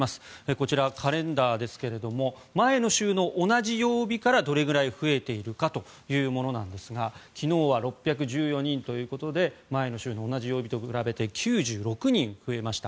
こちら、カレンダーですが前の週の同じ曜日からどれぐらい増えているかというものなんですが昨日は６１４人ということで前の週の同じ曜日と比べて９６人増えました。